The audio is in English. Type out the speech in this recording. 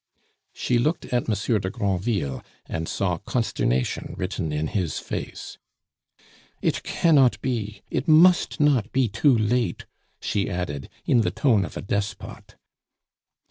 She looked at Monsieur de Granville, and saw consternation written in his face. "It cannot be, it must not be too late!" she added, in the tone of a despot.